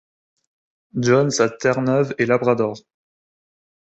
John's à Terre-Neuve-et-Labrador.